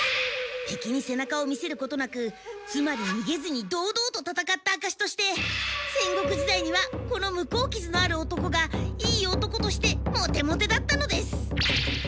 てきにせなかを見せることなくつまりにげずにどうどうとたたかったあかしとしてせんごく時代にはこの向こうきずのある男がいい男としてモテモテだったのです。